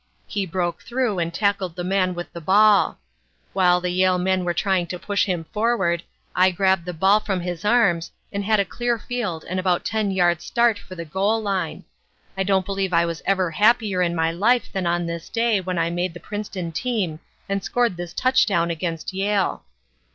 He broke through and tackled the man with the ball. While the Yale men were trying to push him forward, I grabbed the ball from his arms and had a clear field and about ten yards start for the goal line. I don't believe I was ever happier in my life than on this day when I made the Princeton team and scored this touchdown against Yale.